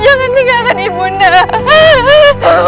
jangan tinggalkan ibu undang